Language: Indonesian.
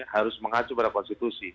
harus mengacu pada konstitusi